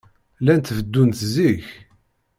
Llant beddunt zik.